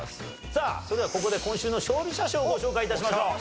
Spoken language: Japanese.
さあそれではここで今週の勝利者賞をご紹介致しましょう。